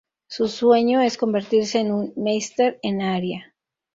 Su sueño es convertirse en un Meister en Aria.